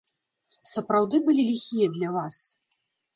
Сапраўды былі ліхія для вас?